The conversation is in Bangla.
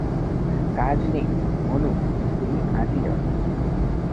কাজ নেই, মনু, তুমি আজই যাও।